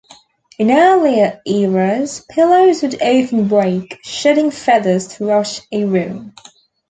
In earlier eras, pillows would often break, shedding feathers throughout a room.